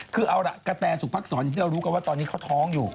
คือเอาล่ะโปรดตรงการกระแต่งสุขภาคสวนเรารู้ว่าตอนนี้แล้วเขาท้องอยู่